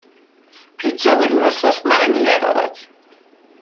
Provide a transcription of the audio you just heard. پیتزا بدون سس معنی ندارد